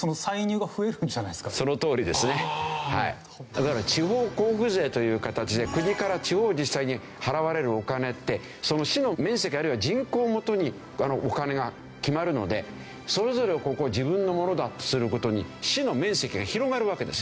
だから地方交付税という形で国から地方自治体に払われるお金ってその市の面積あるいは人口をもとにお金が決まるのでそれぞれをここ自分のものだってするごとに市の面積が広がるわけですよ。